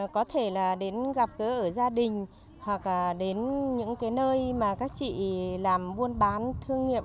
có thể là đến gặp ở gia đình hoặc đến những nơi mà các chị làm buôn bán thương nghiệp